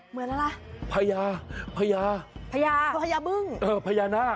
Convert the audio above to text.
เหมือนอะไรพญาพญาพญาตัวพญาบึ้งเออพญานาค